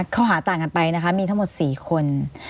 ข้อหาต่างกันไปนะคะมีทั้งหมด๔คน